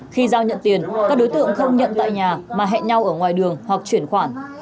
khi giao nhận tiền các đối tượng không nhận tại nhà mà hẹn nhau ở ngoài đường hoặc chuyển khoản